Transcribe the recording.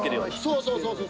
そうそうそうそう。